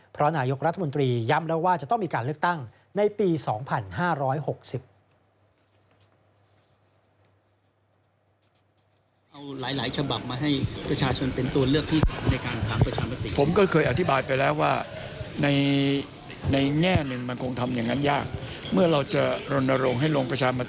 เพราะนายกรัฐมนตรีย้ำแล้วว่าจะต้องมีการเลือกตั้งในปี๒๕๖๐